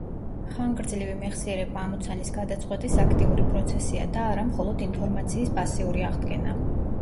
ხანგრძლივი მეხსიერება ამოცანის გადაწყვეტის აქტიური პროცესია და არა მხოლოდ ინფორმაციის პასიური აღდგენა.